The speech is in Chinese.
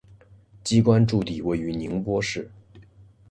机关驻地位于宁波市。